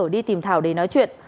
cảnh đã đi tìm thảo để nói chuyện